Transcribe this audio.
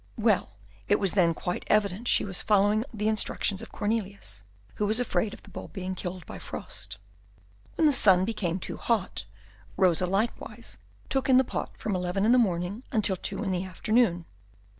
Well, it was then quite evident she was following the instructions of Cornelius, who was afraid of the bulb being killed by frost. When the sun became too hot, Rosa likewise took in the pot from eleven in the morning until two in the afternoon.